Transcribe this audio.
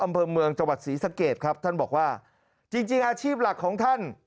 อำเภอเมืองจังหวัดศรีสะเกดครับท่านบอกว่าจริงจริงอาชีพหลักของท่าน